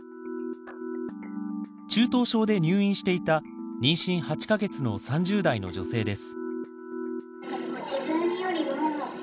中等症で入院していた妊娠８か月の３０代の女性です。